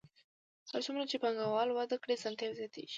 هر څومره چې پانګوالي وده وکړي اسانتیاوې زیاتېږي